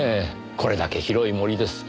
これだけ広い森です。